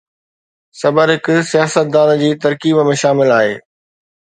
صبر هڪ سياستدان جي ترڪيب ۾ شامل آهي.